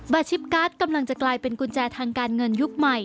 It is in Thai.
ชิปการ์ดกำลังจะกลายเป็นกุญแจทางการเงินยุคใหม่